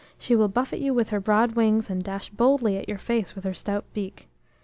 she will buffet you with her broad wings, and dash boldly at your face with her stout beak.